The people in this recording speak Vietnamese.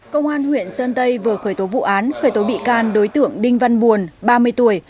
công an huyện sơn tây vừa khởi tố vụ án khởi tố bị can đối tượng đinh văn buồn ba mươi tuổi